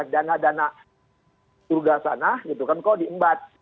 dana dana surga sana gitu kan kok diembat